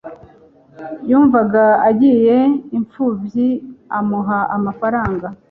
yumvaga agiriye impfubyi amuha amafaranga